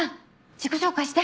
自己紹介して。